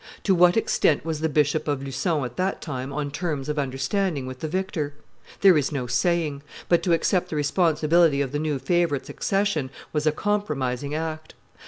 To what extent was the Bishop of Lucon at that time on terms of understanding with the victor? There is no saying; but to accept the responsibility of the new favorite's accession was a compromising act.